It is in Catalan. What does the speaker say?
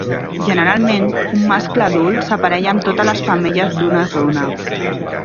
Generalment, un mascle adult s'aparella amb totes les femelles d'una zona.